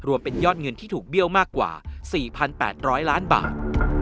เป็นยอดเงินที่ถูกเบี้ยวมากกว่า๔๘๐๐ล้านบาท